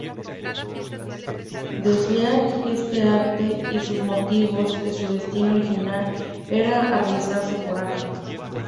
Desviar este arte y sus motivos, de su destino original, era arriesgar su coraje.